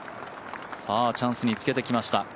チャンスにつけてきました